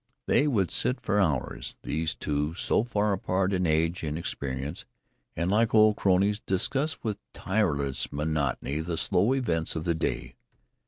They would sit for hours, these two, so far apart in age and experience, and, like old cronies, discuss with tireless monotony the slow events of the day.